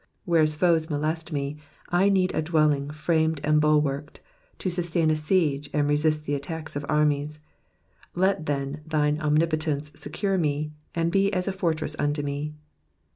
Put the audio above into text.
Whereas foes molest me, I need a dwelling framed and bulwarked, to sustain a siege and resist the attacks of armies ; let, then, thine omnipotence secure me. and be as a fortress unto me.